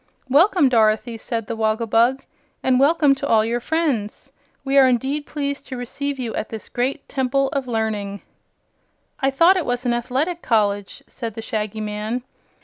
"Welcome, Dorothy," said the Wogglebug; "and welcome to all your friends. We are indeed pleased to receive you at this great Temple of Learning." "I thought it was an Athletic College," said the Shaggy Man.